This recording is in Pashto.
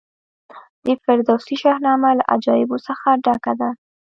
د فردوسي شاهنامه له عجایبو څخه ډکه ده.